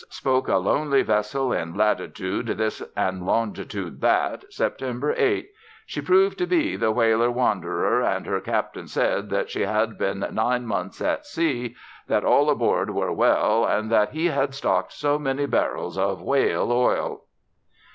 spoke a lonely vessel in latitude this and longitude that, September 8. She proved to be the whaler Wanderer, and her captain said that she had been nine months at sea, that all on board were well, and that he had stocked so many barrels of whale oil."